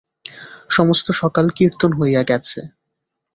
সমস্ত সকাল কীর্তন হইয়া গেছে।